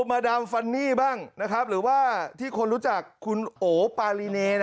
มาดามฟันนี่บ้างหรือว่าที่คนรู้จักคุณโอปารีเน